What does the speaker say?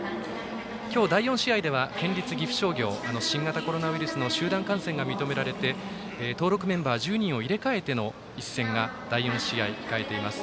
今日、第４試合では県立岐阜商業新型コロナウイルスの集団感染が認められて登録メンバー１０人を入れ替えての一戦が第４試合、控えています。